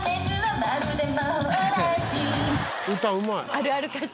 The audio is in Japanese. あるある歌詞。